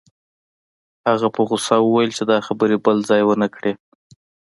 هغه په غوسه وویل چې دا خبرې بل ځای ونه کړې